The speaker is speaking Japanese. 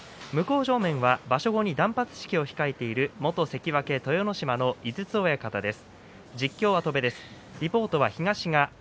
向正面は場所後に断髪式を控えている関脇豊ノ島の井筒親方です。